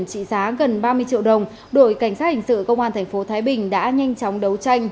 trên truyền trị giá gần ba mươi triệu đồng đội cảnh sát hành sự công an tp thái bình đã nhanh chóng đấu tranh